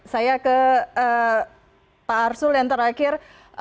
saya ke pak arsul yang terakhir